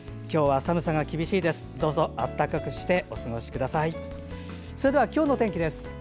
今日は寒さが厳しいです。